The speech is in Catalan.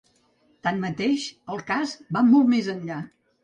Tanmateix, el cas va molt més enllà.